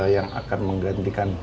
yang akan menggantikan